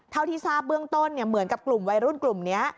เท่าที่ทราบเบื้องต้นเหมือนกับกลุ่มวัยรุ่นกลุ่มนี้